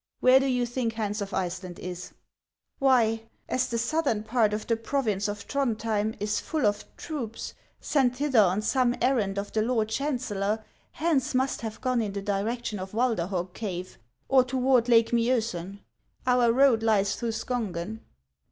Where do you think Hans of Iceland is ?"" Why, as the southern part of the province of Thrond hjern is full of troops sent thither on some errand of the lord chancellor, Hans must have gone in the direction of Walderhog cave, or toward Lake Miosen. Our road lies through Skongen."